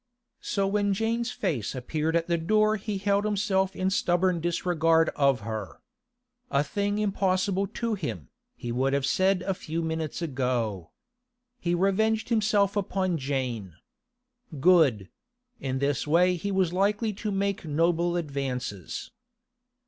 So when Jane's face appeared at the door he held himself in stubborn disregard of her. A thing impossible to him, he would have said a few minutes ago. He revenged himself upon Jane. Good; in this way he was likely to make noble advances.